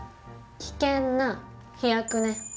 危険な飛躍ね。